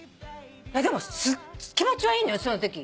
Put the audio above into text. でも気持ちはいいのよそのとき。